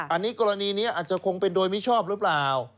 อันนี้กรณีนี้อาจจะคงเป็นโดยมิชอบหรือเปล่า